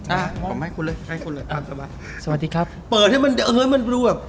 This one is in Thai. อ่าผมให้คุณเลยให้คุณเลยตามสบายสวัสดีครับเปิดให้มันเอ้ยมันดูแบบ